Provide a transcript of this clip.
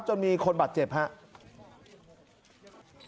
จนมีคนบาดเจ็บครับ